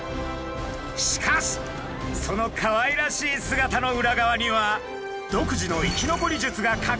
しかしそのかわいらしい姿の裏側には独自の生き残り術がかくされているんです！